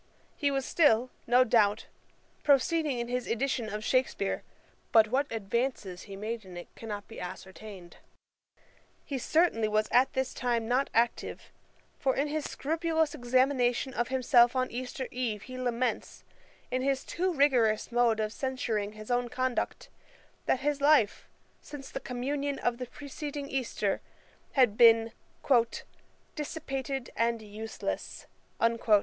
He was still, no doubt, proceeding in his edition of Shakespeare; but what advances he made in it cannot be ascertained. He certainly was at this time not active; for in his scrupulous examination of himself on Easter eve, he laments, in his too rigorous mode of censuring his own conduct, that his life, since the communion of the preceding Easter, had been 'dissipated and useless.'